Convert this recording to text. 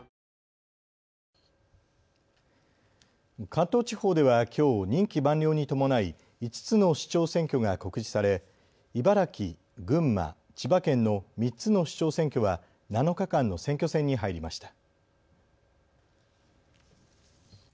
関東地方ではきょう、任期満了に伴い５つの市長選挙が告示され茨城、群馬、千葉県の３つの市長選挙は７日間の選挙戦に入りました。